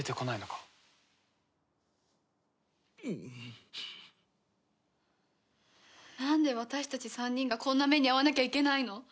なんで私たち３人がこんな目に遭わなきゃいけないの？